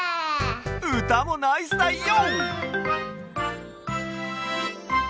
うたもナイスだよ！